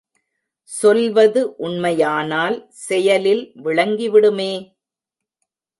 சொல்வது உண்மையானால் செயலில் விளங்கிவிடுமே.